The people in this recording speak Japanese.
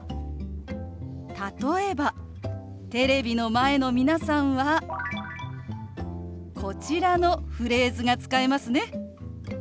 例えばテレビの前の皆さんはこちらのフレーズが使えますね。